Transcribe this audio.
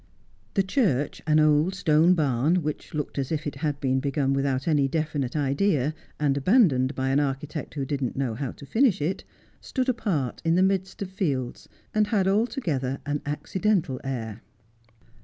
The church, an old stone barn — which looked as if it had been begun without any definite idea, and abandoned by an architect who did not know how to finish it — stood apart in the midst of fields, and had altogether an accidental air.